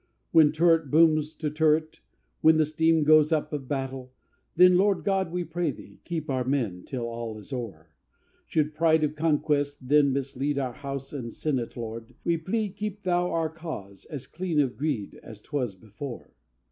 II When turret booms to turret; when The steam goes up of battle, then Lord God, we pray Thee, keep our men Till all is o'er: Should pride of conquest then mislead Our House and Senate, Lord, we plead Keep Thou our cause as clean of greed As 'twas before.